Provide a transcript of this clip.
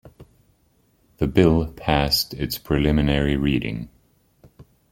The bill passed its preliminary reading.